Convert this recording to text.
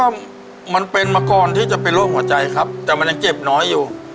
ก็มันเป็นมาก่อนที่จะเป็นโรคหัวใจครับแต่มันยังเจ็บน้อยอยู่